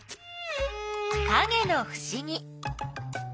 かげのふしぎ。